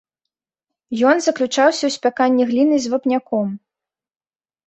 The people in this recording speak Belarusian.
Ён заключаўся ў спяканні гліны з вапняком.